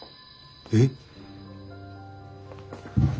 えっ？